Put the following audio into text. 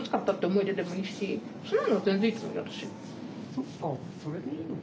そっかそれでいいのか。